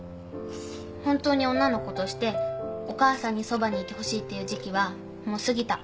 本当に女の子としてお母さんにそばにいてほしいっていう時期はもう過ぎた。